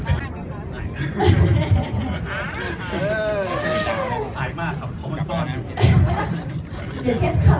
เราจะเริ่มเสิร์ฟจากอะไรก่อนค่ะเชฟ